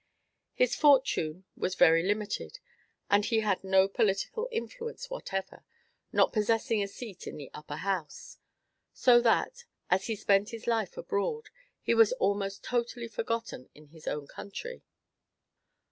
His fortune was very limited, and he had no political influence whatever, not possessing a seat in the Upper House; so that, as he spent his life abroad, he was almost totally forgotten in his own country.